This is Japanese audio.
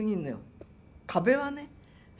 壁はね